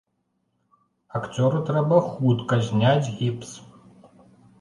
Акцёру трэба хутка зняць гіпс.